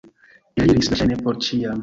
Eliris, verŝajne, por ĉiam.